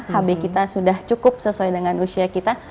hb kita sudah cukup sesuai dengan usia kita